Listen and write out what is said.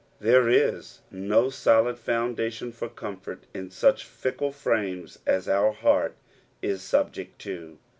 There is no solid foundation for comfort in such fickle frames as our hesrt is subject to.